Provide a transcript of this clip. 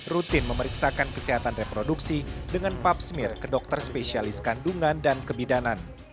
rutin memeriksakan kesehatan reproduksi dengan papsmir ke dokter spesialis kandungan dan kebidanan